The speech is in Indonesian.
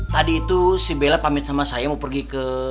tadi itu si bella pamit sama saya mau pergi ke